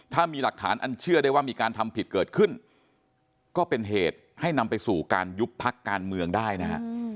ถ้ามีหลักฐานอันเชื่อได้ว่ามีการทำผิดเกิดขึ้นก็เป็นเหตุให้นำไปสู่การยุบพักการเมืองได้นะฮะ